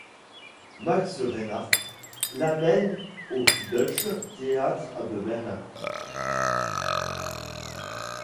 Max Reinhardt l'amène au Deutsches Theater de Berlin.